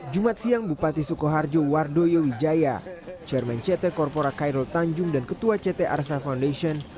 jumat siang bupati sukoharjo wardoyo wijaya chairman ct korpora khairul tanjung dan ketua ct arsa foundation